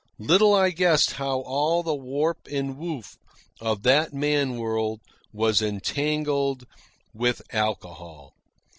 Little I guessed how all the warp and woof of that man world was entangled with alcohol.